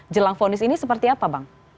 jelang vonis ini seperti apa bang